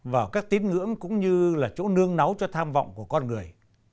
vào các tín ngưỡng cũng như là chỗ nương nấu cho tham vọng của con người